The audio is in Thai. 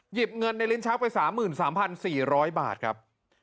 เงินในลิ้นชักไป๓๓๔๐๐บาทครับ